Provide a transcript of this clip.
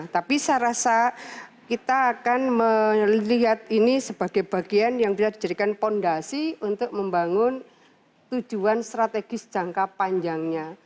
tapi saya rasa kita akan melihat ini sebagai bagian yang bisa dijadikan fondasi untuk membangun tujuan strategis jangka panjangnya